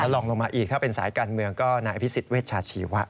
แล้วลองลงมาอีกเป็นสายการเมืองก็นายพิสิทธิ์เวชชาชีวะ